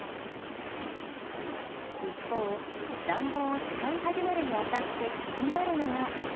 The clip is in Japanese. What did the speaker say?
一方、暖房を使い始めるにあたって気になるのが。